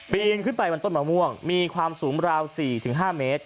ปีนขึ้นไปบนต้นมะม่วงมีความสูงราว๔๕เมตร